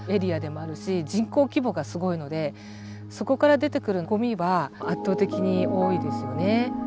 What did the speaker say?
人口規模がすごいのでそこから出てくるゴミは圧倒的に多いですよね。